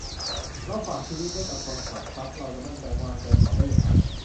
เราฝากชีวิตไว้กับคนขับครับ : เราจะมั่นใจวางใจเขาได้อย่างไร